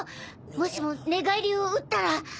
もしも寝返りをうったら。